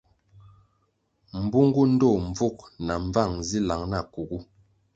Mbungu ndtoh mbvug na mbvang zi lang na kugu.